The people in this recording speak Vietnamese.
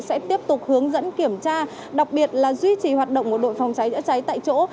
sẽ tiếp tục hướng dẫn kiểm tra đặc biệt là duy trì hoạt động của đội phòng cháy chữa cháy tại chỗ